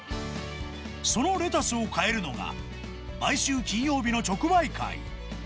そのレタスを買えるのが、毎週金曜日の直売会。